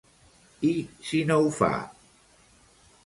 I si no ho fa?